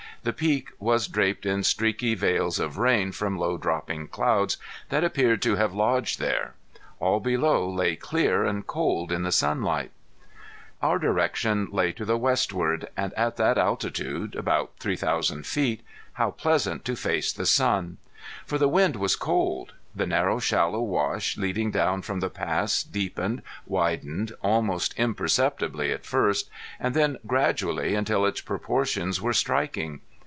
The peak was draped in streaky veils of rain from low dropping clouds that appeared to have lodged there. All below lay clear and cold in the sunlight. [Illustration: THE COLORED CALICO MOUNTAINS] [Illustration: DOWN THE LONG WINDING WASH TO DEATH VALLEY] Our direction lay to the westward, and at that altitude, about three thousand feet, how pleasant to face the sun! For the wind was cold. The narrow shallow wash leading down from the pass deepened, widened, almost imperceptibly at first, and then gradually until its proportions were striking.